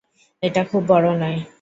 এটা খুব বড় নয়।